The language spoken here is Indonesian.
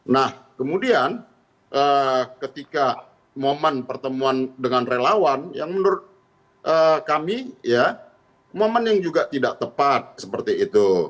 nah kemudian ketika momen pertemuan dengan relawan yang menurut kami ya momen yang juga tidak tepat seperti itu